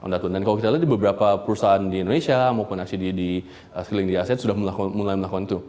dan kalau kita lihat di beberapa perusahaan di indonesia maupun actually di sekiling di asean sudah mulai melakukan itu